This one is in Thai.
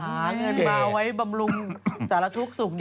หาเงินมาไว้บำรุงสารทุกข์สุข